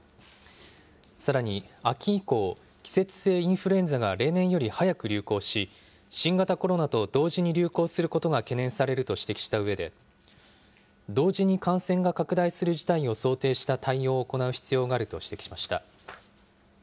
さらに秋以降、季節性インフルエンザが例年より早く流行し、新型コロナと同時に流行することが懸念されると指摘したうえで、同時に感染が拡大する事態を想定した対応を行う必要があると指摘しました。